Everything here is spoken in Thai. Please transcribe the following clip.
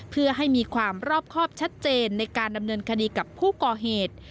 เพื่อให้มีความรอบครอบชัดเจนในการดำเนินคดีกับผู้ก่อเหตุ